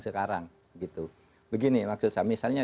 sekarang gitu begini maksud saya misalnya